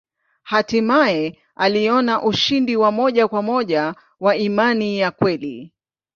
Hatimaye aliona ushindi wa moja kwa moja wa imani ya kweli.